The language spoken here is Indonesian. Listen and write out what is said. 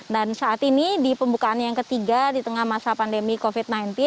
dan saat ini di pembukaan yang ketiga di tengah masa pandemi covid sembilan belas